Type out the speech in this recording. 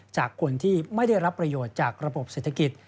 จากคนที่ไม่ได้รับประโยชน์จากระบบเศรษฐกิจ